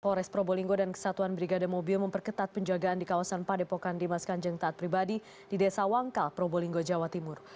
polres probolinggo dan kesatuan brigade mobil memperketat penjagaan di kawasan padepokan dimas kanjeng taat pribadi di desa wangkal probolinggo jawa timur